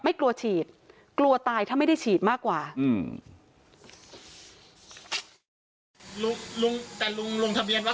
กลัวฉีดกลัวตายถ้าไม่ได้ฉีดมากกว่าอืม